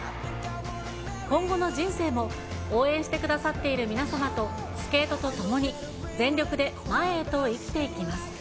今後の人生も、応援してくださっている皆様とスケートとともに、全力で前へと生きていきます。